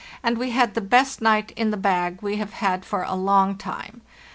and we had the best night in the bag we have had for a long time.